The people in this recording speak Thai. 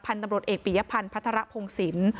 พันธุ์ตำรวจเอกปิยะพันธุ์พัฒระพงศิลป์